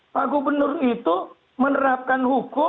pak gubernur itu menerapkan hukum